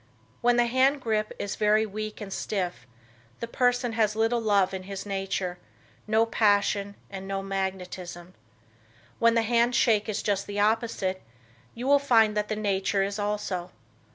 When the hand grip is very weak and stiff, the person has little love in his nature, no passion and no magnetism. When the hand shake is just the opposite, you will find that the nature is also.